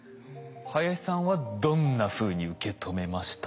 林さんはどんなふうに受け止めました？